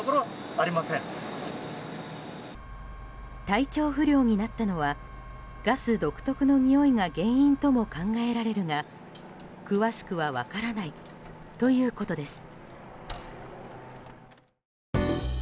体調不良になったのはガス独特のにおいが原因とも考えられるが、詳しくは分からないということです。